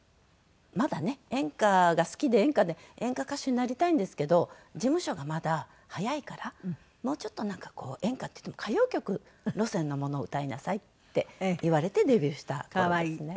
まだね演歌が好きで演歌で演歌歌手になりたいんですけど事務所が「まだ早いからもうちょっとなんかこう演歌っていっても歌謡曲路線のものを歌いなさい」って言われてデビューした頃ですね。